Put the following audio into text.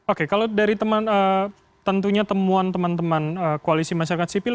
oke kalau dari teman tentunya temuan teman teman koalisi masyarakat sipil